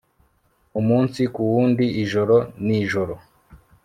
Umunsi ku wundi ijoro nijoro